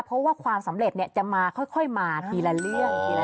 เพราะว่าความสำเร็จเนี่ยจะมาค่อยมาทีละเรื่อง